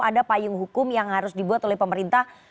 ada payung hukum yang harus dibuat oleh pemerintah